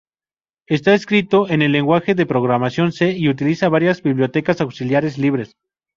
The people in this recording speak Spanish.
Está escrito en el lenguaje de programación C y utiliza varias bibliotecas auxiliares libres.